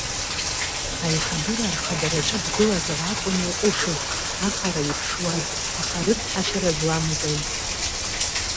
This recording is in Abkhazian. Аиҳабыра рхадараҿы дгылазар акәын иҟәышыз, ахара иԥшуаз, аха рыцҳашьара зламыз аимператор.